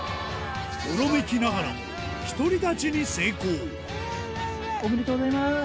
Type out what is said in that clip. よろめきながらも独り立ちに成功おめでとうございます！